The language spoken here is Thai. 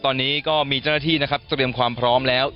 ตอนนี้ก็มีเจ้าหน้าที่นะครับเตรียมความพร้อมแล้ว